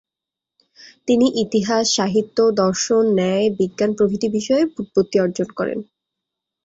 তিনি ইতিহাস, সাহিত্য, দর্শন, ন্যায়, বিজ্ঞান প্রভৃতি বিষয়ে ব্যুৎপত্তি অর্জন করেন।